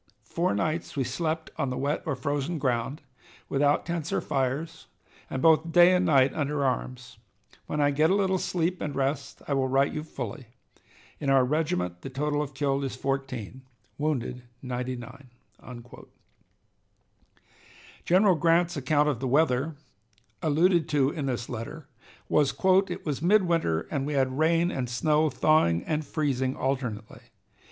Four nights we slept on the wet or frozen ground, without tents or fires, and both day and night under arms. When I get a little sleep and rest I will write you fully. In our regiment the total of killed is 14; wounded, 99." General Grant's account of the weather, alluded to in this letter, was: "It was midwinter, and we had rain and snow, thawing and freezing alternately.